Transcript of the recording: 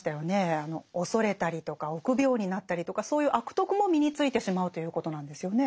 恐れたりとか臆病になったりとかそういう「悪徳」も身についてしまうということなんですよね。